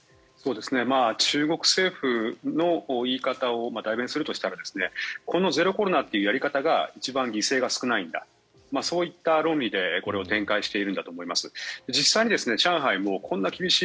中国政府の言い方を代弁するとしたらゼロコロナというやり方が一番犠牲が少ないんだそういった論理でこれを展開しているんだと思います。